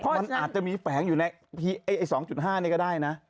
มันอาจจะมีแฝงอยู่ใน๒๕นี่ก็ได้นะ